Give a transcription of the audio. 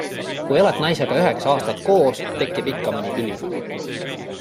Kui elad naisega üheksa aastat koos, tekib ikka mõni tüli.